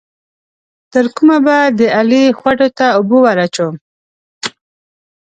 تر کومه به د علي خوټو ته اوبه ور اچوم؟